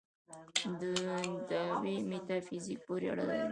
دعوې میتافیزیک پورې اړه لري.